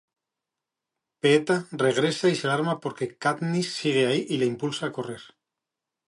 Peeta regresa y se alarma porque Katniss sigue ahí, y la impulsa a correr.